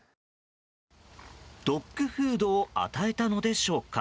ドッグフードを与えたのでしょうか。